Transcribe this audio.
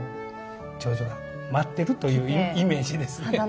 チョウチョが舞ってるというイメージですね。